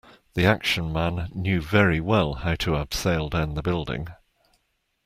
The action man knew very well how to abseil down the building